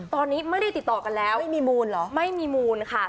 ตอนนี้ไม่ได้ติดต่อกันแล้วไม่มีมูลเหรอไม่มีมูลค่ะ